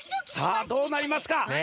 さあどうなりますか。